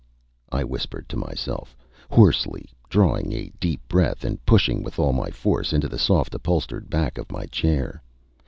I whispered to myself, hoarsely, drawing a deep breath, and pushing with all my force into the soft upholstered back of my chair.